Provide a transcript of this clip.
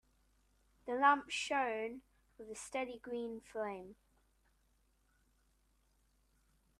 The lamp shone with a steady green flame.